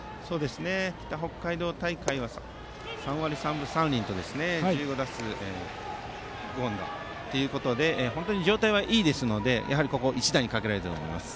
北北海道大会は３割３分３厘と１５打数５安打ということで本当に状態はいいのでここは一打にかけると思います。